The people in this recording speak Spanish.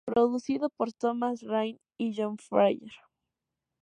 Producido por Thomas Rainer y John Fryer.